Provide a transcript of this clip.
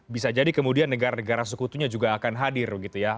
bisa jadi kemudian negara negara sekutunya juga akan hadir